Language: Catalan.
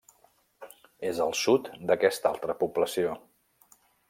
És al sud d'aquesta altra població.